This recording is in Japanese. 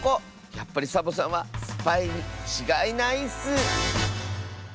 やっぱりサボさんはスパイにちがいないッス！